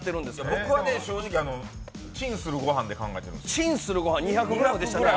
僕は正直、チンするご飯で考えているんです。